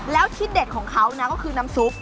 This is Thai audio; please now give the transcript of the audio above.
แล้วที่เด็ดของเขานะก็คือน้ำซุป